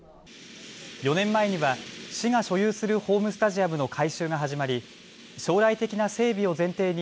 ４年前には市が所有するホームスタジアムの改修が始まり将来的な整備を前提に